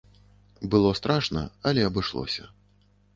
Было страшна, але абышлося.